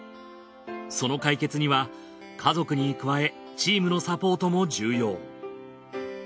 その解決には家族に加えチームのサポートも重要。